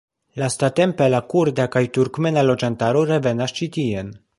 Lastatempe la kurda kaj turkmena loĝantaro revenas ĉi tien.